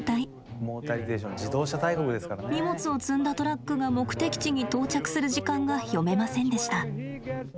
荷物を積んだトラックが目的地に到着する時間が読めませんでした。